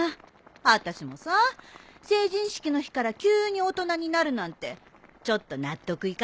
あたしもさ成人式の日から急に大人になるなんてちょっと納得いかないもん。